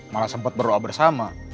malah sempet berdoa bersama